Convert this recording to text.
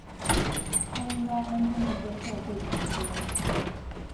她应该安静地接受被强奸。